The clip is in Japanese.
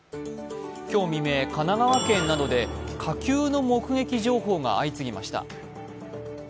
今日未明、神奈川県などで火球の目撃情報が相次ぎました。